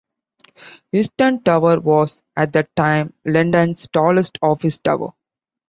Euston Tower was, at the time, London's tallest office tower.